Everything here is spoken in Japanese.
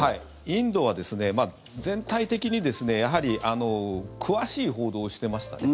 インドは全体的にやはり詳しい報道をしてました。